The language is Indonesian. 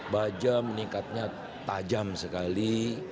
bajam meningkatnya tajam sekali